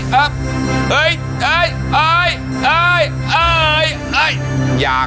เฮ้ย